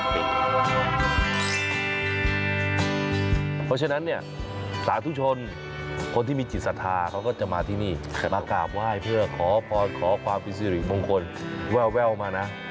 เพราะฉะนั้นเนี่ยสาธุชนคนที่มีจิตศรัทธาเขาก็จะมาที่นี่แต่มากราบไหว้เพื่อขอพรขอความเป็นสิริมงคลแววมานะ